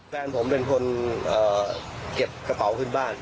แฟนผมเป็นคนเก็บกระเป๋าขึ้นบ้าน